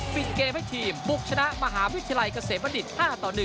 ปิดเกมให้ทีมบุกชนะมหาวิทยาลัยเกษมบัณฑิต๕ต่อ๑